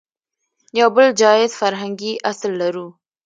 يو بل جايز فرهنګي اصل لرو